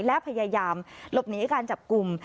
และพยายามหลบหนีการจับกลุ่ม